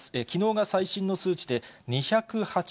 きのうが最新の数値で２８７人。